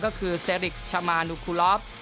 ก็คือเซริกชามานูคูลอฟ